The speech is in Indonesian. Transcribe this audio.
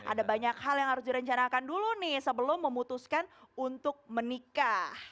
ada banyak hal yang harus direncanakan dulu nih sebelum memutuskan untuk menikah